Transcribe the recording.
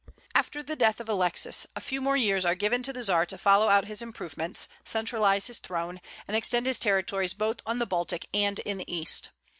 After the death of Alexis, a few more years are given to the Czar to follow out his improvements, centralize his throne, and extend his territories both on the Baltic and in the East.